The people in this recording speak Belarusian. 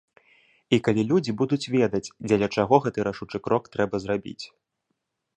І калі людзі будуць ведаць, дзеля чаго гэты рашучы крок трэба зрабіць.